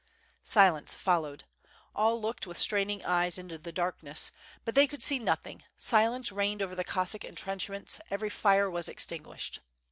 Silence followed. All looked with straining eyes into the darkness, but they could see nothing; silence reigned over the Cossack entrenchments, every fire was extinguished.